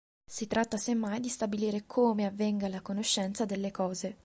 Si tratta semmai di stabilire "come" avvenga la conoscenza delle cose.